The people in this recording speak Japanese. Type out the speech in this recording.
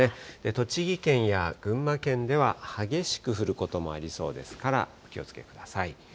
栃木県や群馬県では、激しく降ることもありそうですからお気をつけください。